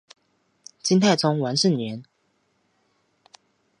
金太宗完颜晟。